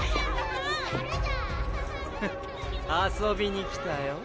フッ遊びに来たよ